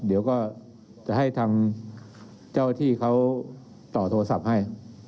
เดี๋ยวก็จะให้ทางเจ้าที่เขาต่อโทรศัพท์ให้